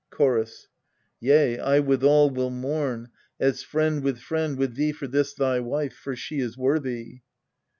Chorus. Yea, I withal will mourn, as friend with friend With thee for this thy wife, for she is worthy.